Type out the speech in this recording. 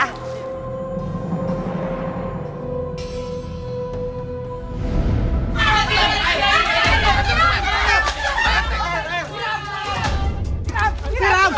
tidak tidak tidak tidak